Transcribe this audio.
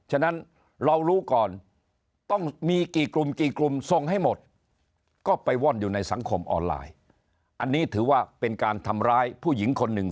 ให้หมดก็ไปว่อนอยู่ในสังคมออนไลน์อันนี้ถือว่าเป็นการทำร้ายผู้หญิงคนหนึ่ง